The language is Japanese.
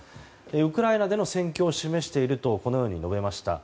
ウクライナでの戦況を示していると述べました。